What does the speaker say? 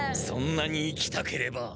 そんなに行きたければ。